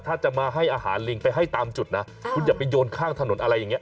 ถ้าจะมาให้อาหารลิงไปให้ตามจุดนะคุณอย่าไปโยนข้างถนนอะไรอย่างนี้